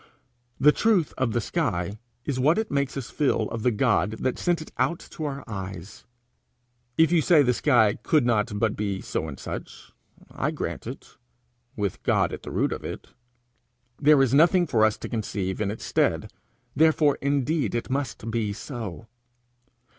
The truth of the sky is what it makes us feel of the God that sent it out to our eyes. If you say the sky could not but be so and such, I grant it with God at the root of it. There is nothing for us to conceive in its stead therefore indeed it must be so.